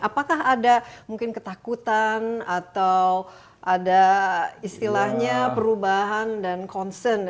apakah ada mungkin ketakutan atau ada istilahnya perubahan dan concern